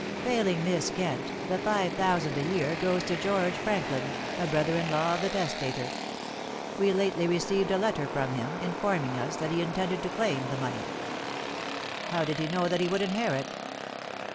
"Failing Miss Kent, the five thousand a year goes to George Franklin, a brother in law of the testator. We lately received a letter from him, informing us that he intended to claim the money." "How did he know that he would inherit?"